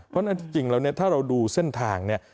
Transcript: เพราะฉะนั้นจริงแล้วเนี่ยถ้าเราดูเส้นทางเนี่ย